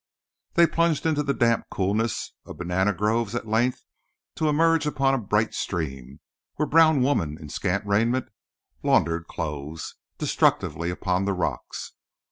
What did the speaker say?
They plunged into the damp coolness of banana groves at length to emerge upon a bright stream, where brown women in scant raiment laundered clothes destructively upon the rocks.